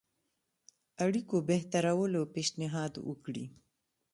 اړيکو بهترولو پېشنهاد وکړي.